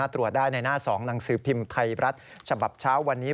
ตรวจได้ในหน้า๒หนังสือพิมพ์ไทยรัฐฉบับเช้าวันนี้